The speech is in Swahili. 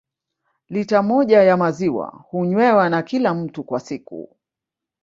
Lita moja ya maziwa hunywewa na kila mtu kwa siku